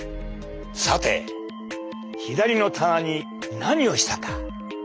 さて左の棚に何をしたか？